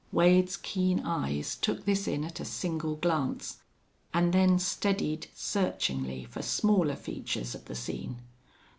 Wade's keen eyes took this in at a single glance, and then steadied searchingly for smaller features of the scene.